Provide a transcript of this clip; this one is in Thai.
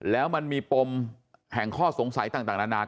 แล้วมันมีปมแห่งข้อสงสัยต่างนานา